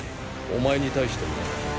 お前に対してもな。